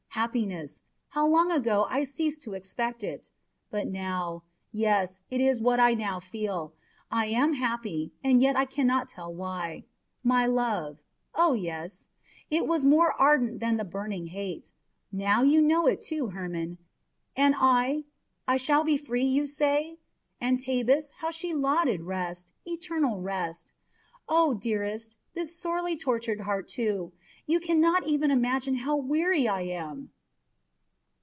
Happiness! How long ago I ceased to expect it! but now yes, it is what I now feel! I am happy, and yet can not tell why. My love oh, yes! It was more ardent than the burning hate. Now you know it, too, Hermon. And I I shall be free, you say? And Tabus, how she lauded rest eternal rest! Oh dearest this sorely tortured heart, too you can not even imagine how weary I am!"